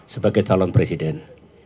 sebagai calon presiden